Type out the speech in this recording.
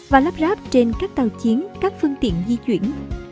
và lắp ráp trên các tàu chiến các phương tiện di chuyển